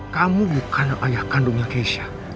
kamu bukan ayah kandungnya keisha